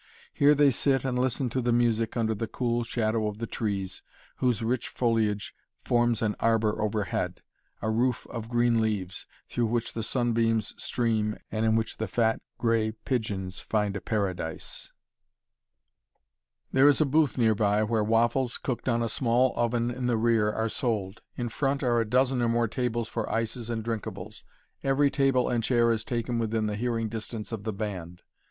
Here they sit and listen to the music under the cool shadow of the trees, whose rich foliage forms an arbor overhead a roof of green leaves, through which the sunbeams stream and in which the fat, gray pigeons find a paradise. [Illustration: THE CHILDREN'S SHOP LUXEMBOURG GARDENS] There is a booth near by where waffles, cooked on a small oven in the rear, are sold. In front are a dozen or more tables for ices and drinkables. Every table and chair is taken within hearing distance of the band.